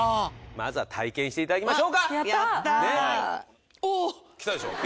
まずは体験していただきましょうかおおっきたでしょ？